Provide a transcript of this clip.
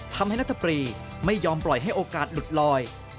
นัทปรีไม่ยอมปล่อยให้โอกาสหลุดลอย